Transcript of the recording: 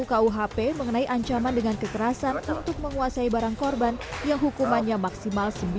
kuhp mengenai ancaman dengan kekerasan untuk menguasai barang korban yang hukumannya maksimal